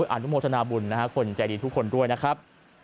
อนุโมทนาบุญนะฮะคนใจดีทุกคนด้วยนะครับ